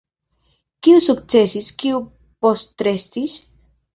Kiu sukcesis, kiu postrestis?